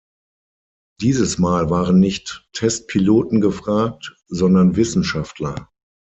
Dieses Mal waren nicht Testpiloten gefragt, sondern Wissenschaftler.